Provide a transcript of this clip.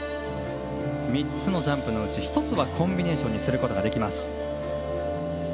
３つのジャンプのうち１つはコンビネーションにできます。